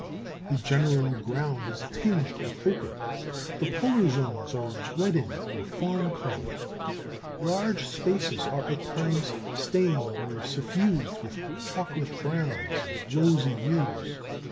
The general ground is tinged with ochre; the polar zones are leaden or fawn coloured; large spaces are at times stained or suffused with chocolate browns and rosy hues.